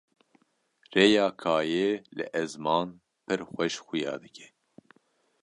rêya kayê li ezman pir xweş xuya dike